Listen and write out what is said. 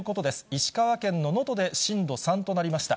石川県の能登で震度３となりました。